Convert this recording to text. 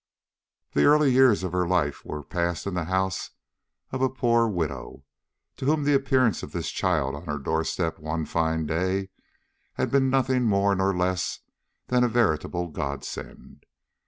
The early years of her life were passed in the house of a poor widow, to whom the appearance of this child on her door step one fine day had been nothing more nor less than a veritable godsend.